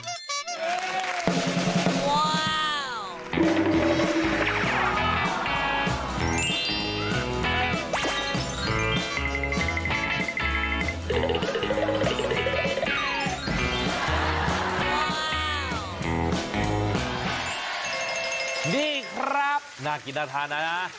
อร่อยดีครับน่ากินอาทานนะ